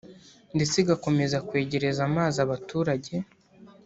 ndetse igakomeza kwegereza amazi abaturage